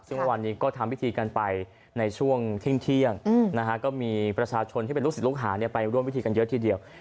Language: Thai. ซึ่งวันนี้ก็ทำพิธีกันไปในช่วงเที่ยงก็มีประชาชนที่เป็นลูกศิษย์ลูกหาไปร่วมพิธีกันเยอะทีเดียว